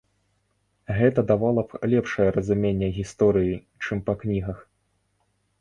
Гэта давала б лепшае разуменне гісторыі, чым па кнігах.